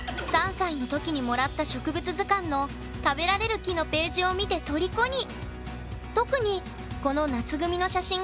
３歳の時にもらった植物図鑑の食べられる木のページを見てとりこに。